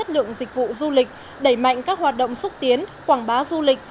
lượng dịch vụ du lịch đẩy mạnh các hoạt động xúc tiến quảng bá du lịch